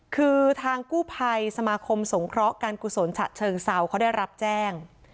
คือทางกู้ภัยสมาคมสงเคราะห์การกุศลฉะเชิงเซาเขาได้รับแจ้ง